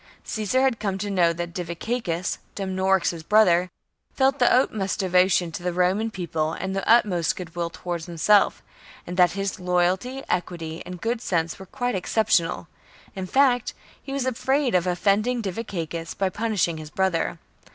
Caesar had come to know that Diviciacus, Dumnorix's brother, felt the utmost devotion to the Roman People and the utmost goodwill towards himself, and that his loyalty, equity, and good sense were quite excep tional ; in fact, he was afraid of offending Diviciacus by punishing his brother.